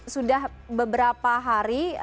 sudah beberapa hari